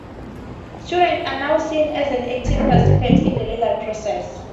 Students are now seen as active participants in the learning process.